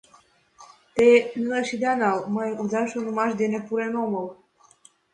Те нелеш ида нал, мый уда шонымаш дене пурен омыл.